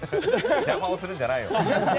邪魔をするんじゃないよ。